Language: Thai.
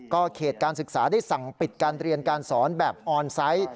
เขตการศึกษาได้สั่งปิดการเรียนการสอนแบบออนไซต์